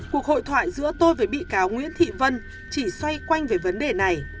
cuộc hội thoại giữa tôi với bị cáo nguyễn thị vân chỉ xoay quanh về vấn đề này